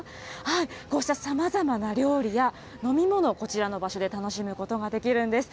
こうしたさまざまな料理や飲み物、こちらの場所で楽しむことができるんです。